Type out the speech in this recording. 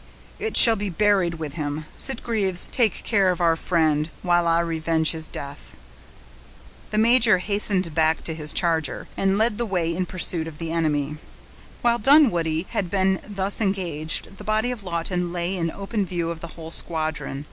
"It shall be buried with him. Sitgreaves, take care of our friend, while I revenge his death." The major hastened back to his charger, and led the way in pursuit of the enemy. While Dunwoodie had been thus engaged, the body of Lawton lay in open view of the whole squadron.